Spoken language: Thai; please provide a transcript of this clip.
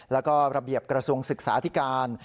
แล้วก็ระเบียบกระทรวงศึกษาธิการ